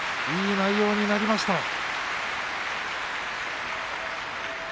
いい内容になりました。